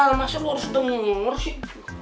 masa masa lo harus denger sih